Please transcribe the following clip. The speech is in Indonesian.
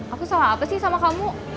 aku salah apa sih sama kamu